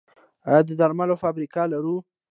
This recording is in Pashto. آیا د درملو فابریکې لرو؟